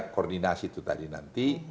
koordinasi itu tadi nanti